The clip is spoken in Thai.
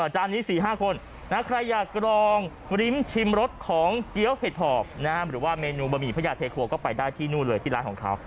จานนี้๔๕คนใครอยากลองริ้มชิมรสของเกี้ยวเห็ดหอบหรือว่าเมนูบะหมี่พระยาเทครัวก็ไปได้ที่นู่นเลยที่ร้านของเขา